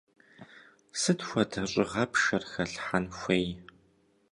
Сыт хуэдэ щӏыгъэпшэр хэлъхьэн хуей?